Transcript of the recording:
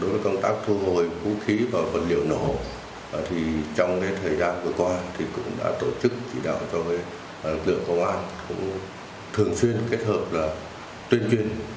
rồi trong cái năm vừa qua thì cũng đã có một số hộ là người ta cũng tự giác